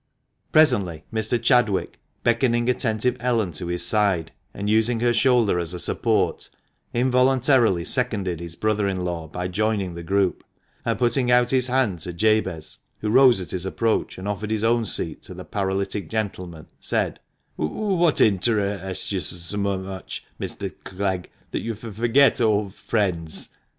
THE MANCHESTER MAN. Presently Mr. Chadwick, beckoning attentive Ellen to his side, and using her shoulder as a support, involuntarily seconded his brother in law by joining the group, and, putting out his hand to Jabez (who rose at his approach, and offered his own seat to the paralytic gentleman), said :— "Wha at inter rests yo you so m much, M Mr. Clegg, th that you f forget old f friends